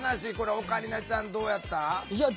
オカリナちゃん、どうやった？